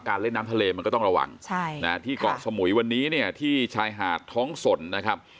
เล่นน้ำทะเลมันก็ต้องระวังที่เกาะสมุยวันนี้เนี่ยที่ชายหาดท้องสนนะครับ